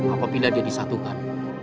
apabila dia disatukan